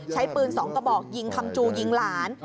ใช้ปืน๒กระบอกยิงคำจูยิงหลาน